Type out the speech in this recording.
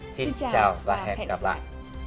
xin chào và hẹn gặp lại